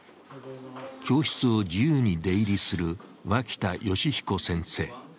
教室を自由に出入りする脇田吉彦先生。